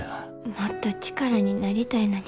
もっと力になりたいのに。